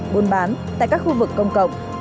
buôn bán tại các khu vực công cộng